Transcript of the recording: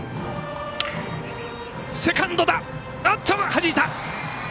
はじいた！